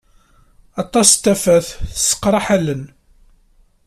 Aṭas n tafat tesseqṛaḥ allen.